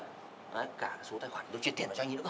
đấy cả số tài khoản tôi chuyển tiền vào cho anh ý nữa cơ